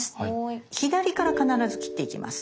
左から必ず切っていきます。